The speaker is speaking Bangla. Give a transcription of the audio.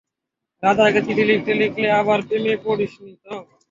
রাজাকে চিঠি লিখতে লিখতে, আবার প্রেমে পড়িসনি তো?